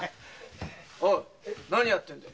おう何やってんだ？